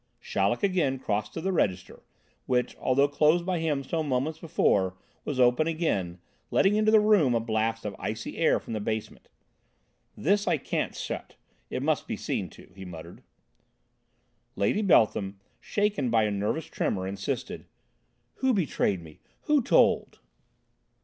Chaleck had again crossed to the register, which, although closed by him some moments before, was open again, letting into the room a blast of icy air from the basement. "This can't stay shut, it must be seen to," he muttered. Lady Beltham, shaken by a nervous tremour, insisted: "Who betrayed me? Who told?"